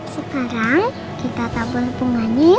sekarang kita tabur bunganya